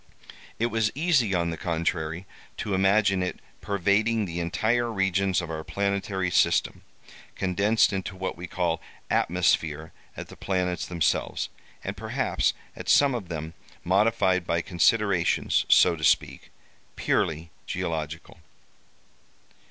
It was easy, on the contrary, to imagine it pervading the entire regions of our planetary system, condensed into what we call atmosphere at the planets themselves, and perhaps at some of them modified by considerations, so to speak, purely geological.